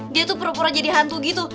dia tuh pura pura jadi hantu gitu